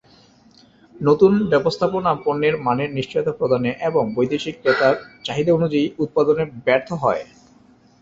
নতুন ব্যবস্থাপনা পণ্যের মানের নিশ্চয়তা প্রদানে এবং বৈদেশিক ক্রেতার চাহিদানুযায়ী উৎপাদনে ব্যর্থ হয়।